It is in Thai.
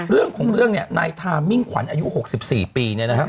เรื่องของเรื่องนายทามิ่งขวัญอายุ๖๔ปี